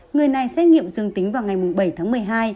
người này xét nghiệm dương tính vào ngày bảy tháng một mươi hai